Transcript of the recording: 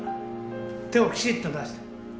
手をきちっと出して。